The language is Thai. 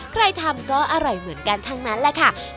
ใครทำก็อร่อยเหมือนกันทั้งนั้นแหละค่ะ